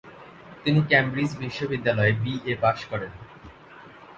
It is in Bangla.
তিনি কেমব্রিজ বিশ্ববিদ্যালয়ে বি.এ পাশ করেন।